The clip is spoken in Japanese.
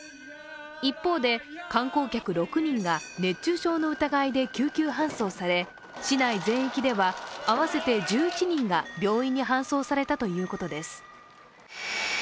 一方で、観光客６人が熱中症の疑いで救急搬送され、市内全域では合わせて１１人が病院に搬送されたということです。